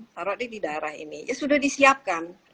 taruh di daerah ini ya sudah disiapkan